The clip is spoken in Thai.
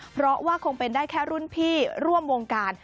เพราะว่าคงเป็นได้แค่รุ่นพี่ร่วมวงการ